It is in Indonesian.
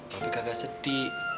tapi kagak sedih